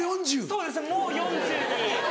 そうですもう４０に。